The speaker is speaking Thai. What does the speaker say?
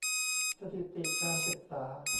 สถิติการศึกษา